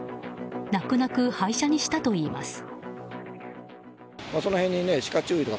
泣く泣く廃車にしたといいます。